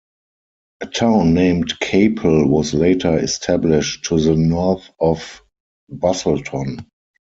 A town named Capel was later established to the north of Busselton.